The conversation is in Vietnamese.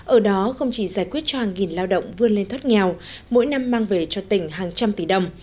ở đó không chỉ giải quyết cho hàng nghìn lao động vươn lên thoát nghèo mỗi năm mang về cho tỉnh hàng trăm tỷ đồng